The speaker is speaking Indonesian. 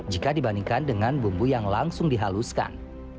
jika dibandingkan dengan bumbu yang langsung dihaluskan